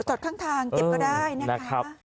สดทางเก็บก็ได้นะคะ